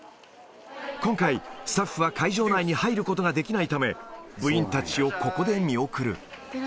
今回、スタッフは会場内に入ることができないため、部員たちをここで見送る。